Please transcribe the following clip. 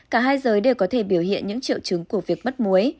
cả hai giới đều có thể biểu hiện những triệu chứng của việc bắt muối